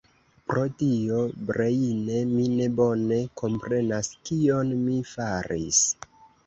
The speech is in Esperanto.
Pro Dio, Breine, mi ne bone komprenas, kion mi faris.